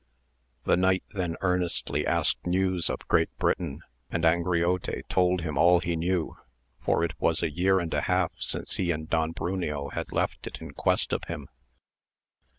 The knight then earnestly asked news of Great Britain, and Angriote told him all he knew, for it was a year and a half since he and Don Bruneo had left it in quest of him.